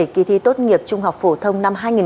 kỳ thi tốt nghiệp trung học phổ thông